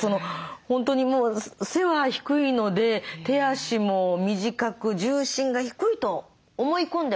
本当にもう背は低いので手足も短く重心が低いと思い込んでました。